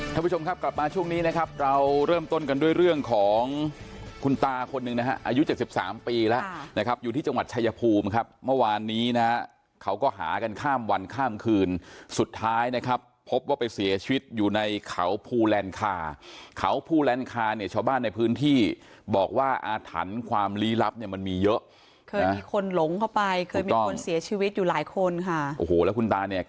ท่านผู้ชมครับกลับมาช่วงนี้นะครับเราเริ่มต้นกันด้วยเรื่องของคุณตาคนนึงนะฮะอายุเจ็บสิบสามปีแล้วนะครับอยู่ที่จังหวัดชายภูมิครับเมื่อวานนี้นะเขาก็หากันข้ามวันข้ามคืนสุดท้ายนะครับพบว่าไปเสียชีวิตอยู่ในเขาภูแลนคาเขาภูแลนคาเนี่ยชาวบ้านในพื้นที่บอกว่าอาถรรค์ความลีลับเนี่ยมันมีเยอะ